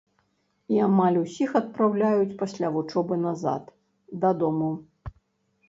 І амаль усіх адпраўляюць пасля вучобы назад, дадому.